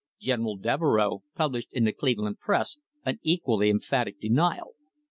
General Devereux published in the Cleveland press an equally emphatic denial.